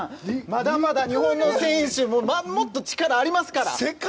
まだまだ日本の選手もっと力ありますから。